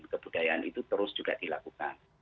kebudayaan itu terus juga dilakukan